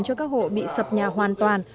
cho các hộ bị sập nhà hoàn toàn